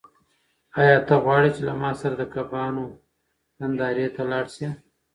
آیا ته غواړې چې له ما سره د کبانو نندارې ته لاړ شې؟